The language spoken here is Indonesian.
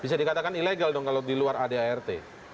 bisa dikatakan ilegal dong kalau diluar adrt